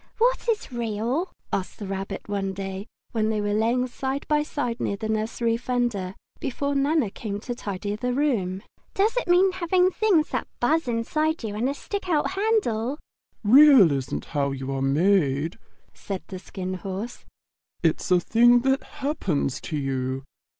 "What is REAL?" asked the Rabbit one day, when they were lying side by side near the nursery fender, before Nana came to tidy the room. "Does it mean having things that buzz inside you and a stick out handle?" "Real isn't how you are made," said the Skin Horse. "It's a thing that happens to you.